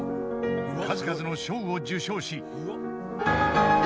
［数々の賞を受賞し］